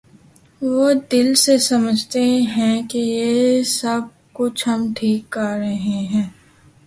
وہ دل سے سمجھتے ہیں کہ یہ سب کچھ ہم ٹھیک کر رہے ہیں۔